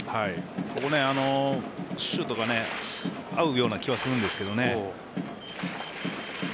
ここシュートが合うような気はするんですけどね。